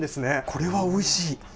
これはおいしい。